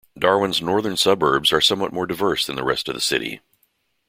Darwin's northern suburbs are somewhat more diverse than the rest of the city.